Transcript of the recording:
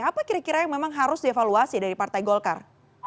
apa kira kira yang memang harus dievaluasi dari partai golkar